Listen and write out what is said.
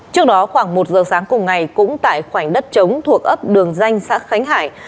trước đó khoảng một giờ sáng cùng ngày cũng tại khoảnh đất trống thuộc ấp đường danh xã khánh hải